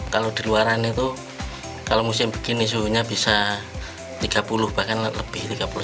kalau di luar kan itu kalau musim begini suhunya bisa tiga puluh bahkan lebih tiga puluh satu lebih